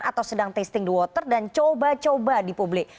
atau sedang testing the water dan coba coba di publik